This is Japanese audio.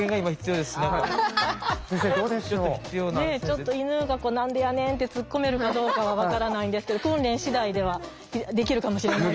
ちょっと犬が「何でやねん」って突っ込めるかどうかは分からないんですけど訓練次第ではできるかもしれないです。